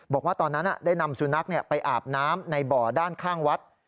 บอกว่าตอนนั้นได้นำสุนัขไปอาบน้ำในบ่อด้านข้างวัด